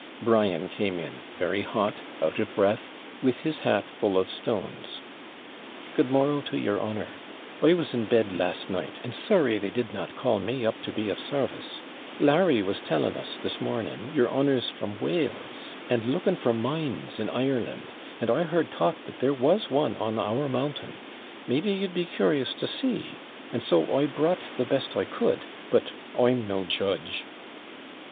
Brian came in very hot, out of breath, with his hat full of stones. 'Good morrow to your honour. I was in bed last night; and sorry they did not call me up to be of SARVICE. Larry was telling us, this morning, your honour's from Wales, and looking for mines in Ireland, and I heard talk that there was one on our mountain maybe, you'd be CUROUS to see, and so I brought the best I could, but I'm no judge.'